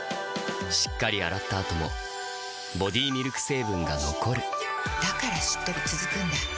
しっかり洗った後もボディミルク成分が残るだからしっとり続くんだ。